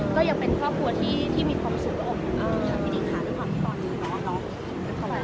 ก็ยังเป็นครอบครัวที่มีความสุขของพี่ดิขาด้วยความที่ตอนนี้น้องน้องจะขวาแถวแล้ว